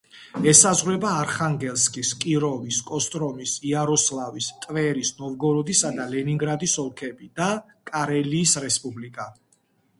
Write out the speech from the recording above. ესაზღვრება არხანგელსკის, კიროვის, კოსტრომის, იაროსლავლის, ტვერის, ნოვგოროდისა და ლენინგრადის ოლქები და კარელიის რესპუბლიკა.